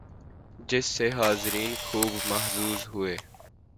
جس سے حاضرین خوب محظوظ ہوئے